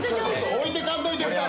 置いてかんといて２人！